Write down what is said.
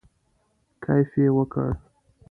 کیف یې وکړ.